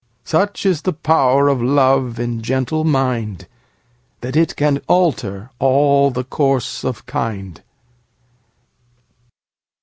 Such is the power of love in gentle mind, That it can alter all the course of kind.